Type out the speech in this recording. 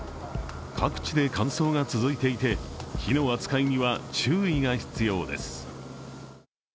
各地で乾燥が続いていて火の扱いには注意が必要です。